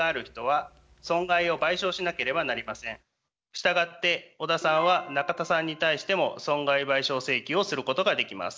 したがって小田さんは中田さんに対しても損害賠償請求をすることができます。